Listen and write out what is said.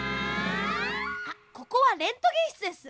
あっここはレントゲンしつです。